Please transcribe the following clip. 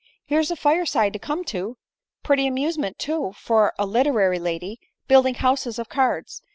Here's a fire side to come to ! Pretty amusement too, for a literary lady — building houses of cards